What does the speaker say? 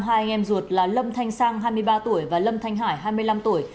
hai em ruột là lâm thanh sang hai mươi ba tuổi và lâm thanh hải hai mươi năm tuổi